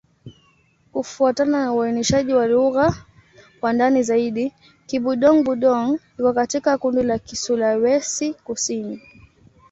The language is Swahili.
Kufuatana na uainishaji wa lugha kwa ndani zaidi, Kibudong-Budong iko katika kundi la Kisulawesi-Kusini.